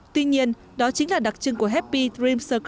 tuy nhiên đó chính là đặc trưng của happy dream circus